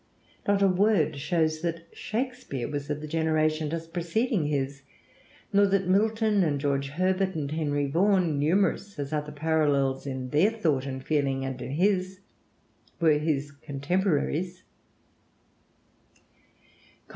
Not a word shows that Shakespeare was of the generation just preceding his, nor that Milton and George Herbert and Henry Vaughan, numerous as are the parallels in their thought and feeling and in his, were his contemporaries.